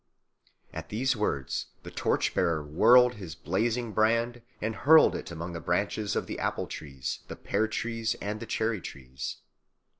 At these words the torch bearer whirled his blazing brand and hurled it among the branches of the apple trees, the pear trees, and the cherry trees.